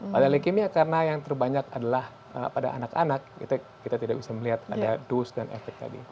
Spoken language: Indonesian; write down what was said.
pada leukemia karena yang terbanyak adalah pada anak anak kita tidak bisa melihat ada dose dan efek tadi